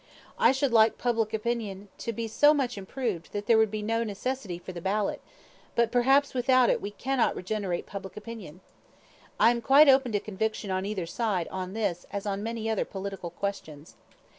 I should like public opinion to be so much improved that there would be no necessity for the ballot, but perhaps without it we cannot regenerate public opinion. I am quite open to conviction on either side on this as on many other political questions.